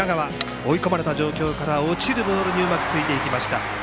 追い込まれた状況から落ちるボールにうまくついていきました。